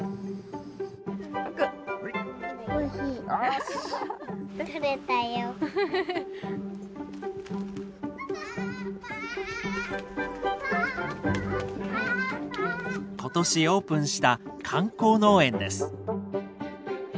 今年オープンした観光農園です。